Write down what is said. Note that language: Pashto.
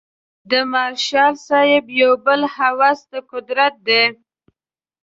د مارشال صاحب یو بل هوس د قدرت دی.